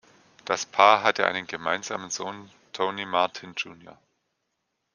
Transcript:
Das Paar hatte einen gemeinsamen Sohn, Tony Martin Jr.